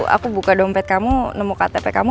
aku buka dompet kamu nemu ktp kamu